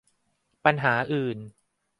ปัญหาอื่น